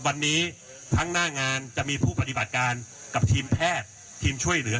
วันนี้ทั้งหน้างานจะมีผู้ปฏิบัติการกับทีมแพทย์ทีมช่วยเหลือ